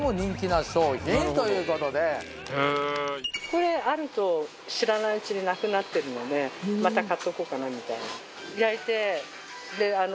これあると知らないうちになくなってるのでまた買っとこうかなみたいな。